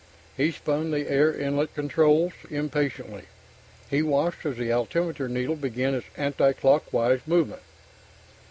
He spun the air inlet controls; impatiently, he watched as the altimeter needle began its anti clockwise movement.